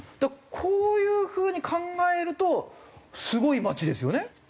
こういうふうに考えるとすごい町ですよね。